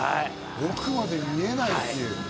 奥まで見えないっていう。